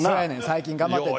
最近頑張ってる。